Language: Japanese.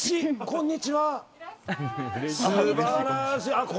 こんにちは。